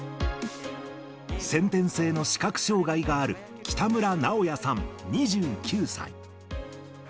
先天性の視覚障がいがある北村直也さん２９歳。